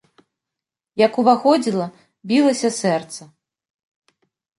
Як уваходзіла, білася сэрца.